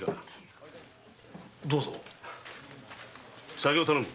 酒を頼む！